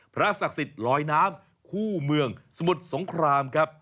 ศักดิ์สิทธิ์ลอยน้ำคู่เมืองสมุทรสงครามครับ